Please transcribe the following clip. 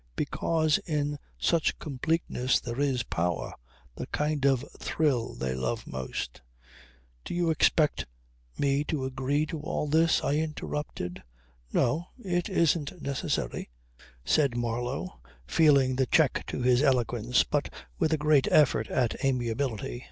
Because in such completeness there is power the kind of thrill they love most ..." "Do you expect me to agree to all this?" I interrupted. "No, it isn't necessary," said Marlow, feeling the check to his eloquence but with a great effort at amiability.